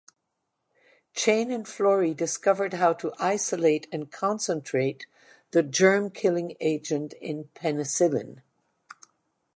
Chain and Florey discovered how to isolate and concentrate the germ-killing agent in penicillin.